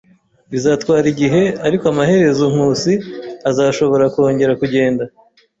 Bizatwara igihe, ariko amaherezo Nkusi azashobora kongera kugenda.